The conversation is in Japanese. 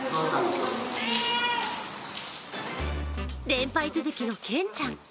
連敗続きのケンちゃん。